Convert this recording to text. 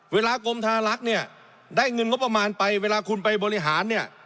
กรมธนลักษณ์เนี่ยได้เงินงบประมาณไปเวลาคุณไปบริหารเนี่ย